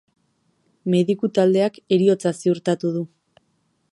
Mediku-taldeak heriotza ziurtatu du.